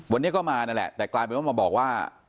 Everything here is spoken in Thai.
วันนี้ก็มานั่นแหละแต่กลายเป็นว่ามาบอกว่า